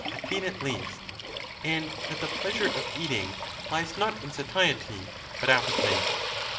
attain it least; and that the pleasure of eating lies not in satiety, but appetite.